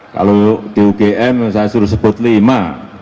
kalau di ugm saya suruh sebut lima